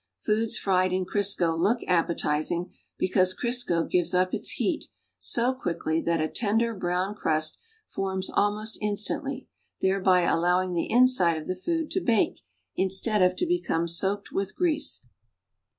Foods fried in C'risco look appetizing because Crisco gi\'es up its heat so quickly that a tender, brown crust forms almost instantly, thereby allowing the inside of the food to bake instead of to become soaked with grease.